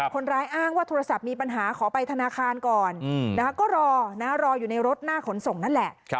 คนร้ายอ้างว่าโทรศัพท์มีปัญหาขอไปธนาคารก่อนก็รอรออยู่ในรถหน้าขนส่งนั่นแหละ